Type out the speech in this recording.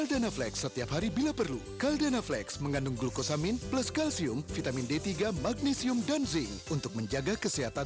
dan tulang dan sendi sehat